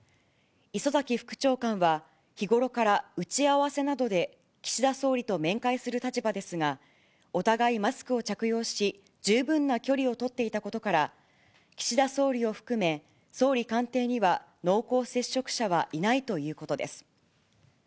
磯崎副長官は、日頃から打ち合わせなどで岸田総理と面会する立場ですが、お互いマスクを着用し、十分な距離を取っていたことから、岸田総理を含め、総理官邸には濃厚接触者はいないということです。